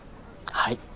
はい。